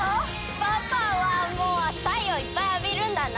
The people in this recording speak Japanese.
パパはもうたいよういっぱいあびるんだな！